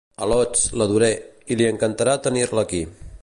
Al·lots, la duré, i li encantarà tenir-la aquí.